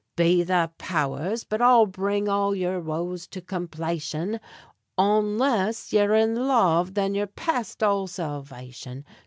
Be the powers! but I'll bring all yer woes to complation, Onless yer in love thin yer past all salvation!